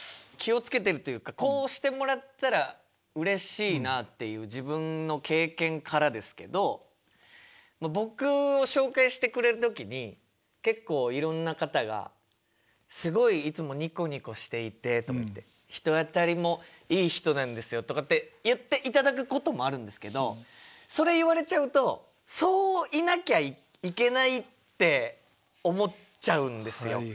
気をつけてるっていうかこうしてもらったらうれしいなっていう自分の経験からですけど僕を紹介してくれる時に結構いろんな方が「すごいいつもにこにこしていて」とかって「人当たりもいい人なんですよ」とかって言っていただくこともあるんですけどそれ言われちゃうとそういなきゃいけないって思っちゃうんですよ。